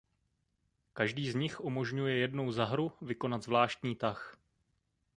Každý z nich umožňuje jednou za hru vykonat zvláštní tah.